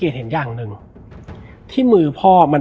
แล้วสักครั้งหนึ่งเขารู้สึกอึดอัดที่หน้าอก